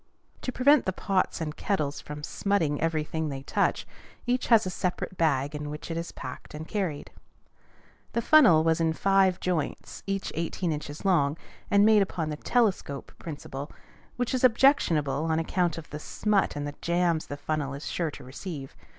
To prevent the pots and kettles from smutting every thing they touch, each has a separate bag in which it is packed and carried. The funnel was in five joints, each eighteen inches long, and made upon the "telescope" principle, which is objectionable on account of the smut and the jams the funnel is sure to receive.